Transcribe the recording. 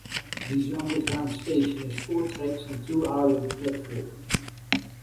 This underground station has four tracks and two island platforms.